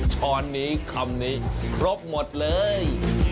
ช้อนนี้คำนี้ครบหมดเลย